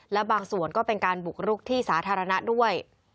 และบางส่วนก็เป็นการบุกรุกที่สาธารณะด้วย